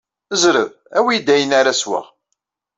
Zreb, awi-yi-d ayen ara sweɣ!